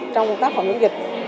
trong công tác phòng chống dịch